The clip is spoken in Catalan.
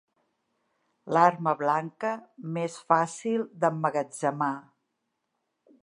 L'arma blanca més fàcil d'emmagatzemar.